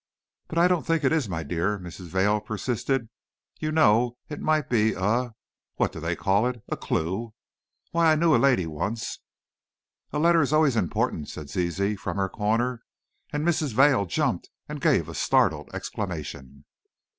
"But I don't think it is, my dear," Mrs. Vail persisted. "You know it might be a what do they call it? a clew. Why, I knew a lady once " "A letter is always important," said Zizi from her corner, and Mrs. Vail jumped and gave a startled exclamation.